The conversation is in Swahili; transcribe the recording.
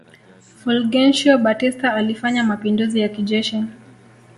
Fulgencio Batista alifanya mapinduzi ya kijeshi